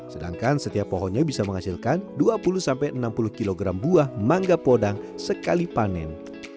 sedangkan setiap pohonnya bisa menghasilkan dua puluh enam puluh kg buah mangga podang sekali panen